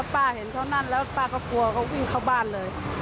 ป้าเห็นเขานั่นแล้วป้าก็กลัวเขาวิ่งเข้าบ้านเลย